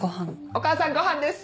お義母さんごはんです！